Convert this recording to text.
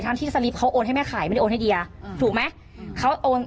ที่สลิปเขาโอนให้แม่ขายไม่ได้โอนให้เดียถูกไหมเขาโอน